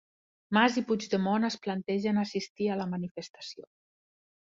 Mas i Puigdemont es plantegen assistir a la manifestació.